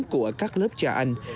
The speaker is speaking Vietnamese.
của các lớp trà anh